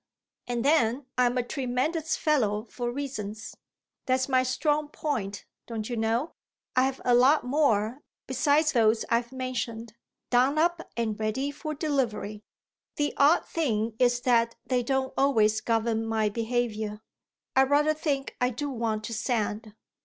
And then I'm a tremendous fellow for reasons; that's my strong point, don't you know? I've a lot more besides those I've mentioned, done up and ready for delivery. The odd thing is that they don't always govern my behaviour. I rather think I do want to stand."